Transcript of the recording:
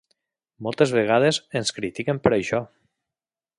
Moltes vegades ens critiquen per això.